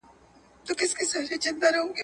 غالۍ ارزانه بیه نه لري.